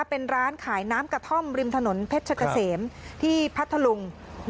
เป็นร้านขายน้ำกระท่อมริมถนนเพชรเกษมที่พัทธลุง